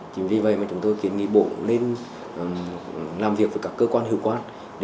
chính vì vậy chúng tôi kiến nghị bộ nên làm việc với các cơ quan hữu quán